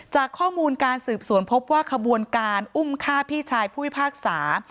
จากข้อมูลการสืบสวนพบว่าขบวนการอุ้มฆ่าพี่ชายผู้พิพากษา